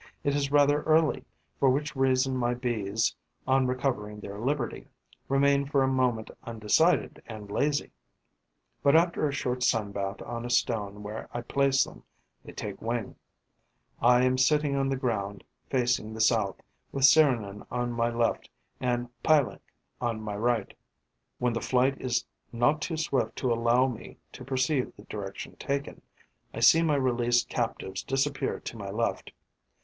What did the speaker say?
It is rather early, for which reason my Bees, on recovering their liberty, remain for a moment undecided and lazy; but, after a short sunbath on a stone where I place them, they take wing. I am sitting on the ground, facing the south, with Serignan on my left and Piolenc on my right. When the flight is not too swift to allow me to perceive the direction taken, I see my released captives disappear to my left.